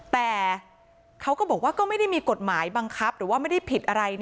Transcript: แต่เขาก็บอกว่าก็ไม่ได้มีกฎหมายบังคับหรือว่าไม่ได้ผิดอะไร